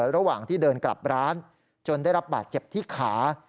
ระหว่างที่เดินกลับร้านจนได้รับบาดเจ็บที่ขา